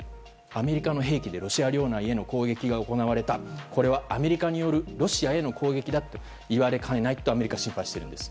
アメリカの兵器でロシア領内への攻撃が行われたこれはアメリカによるロシアへの攻撃だと言われかねないとアメリカは心配しているんです。